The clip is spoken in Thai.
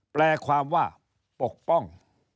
แปลความว่าปกป้อง